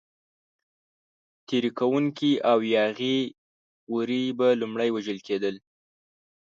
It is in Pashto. تېري کوونکي او یاغي وري به لومړی وژل کېدل.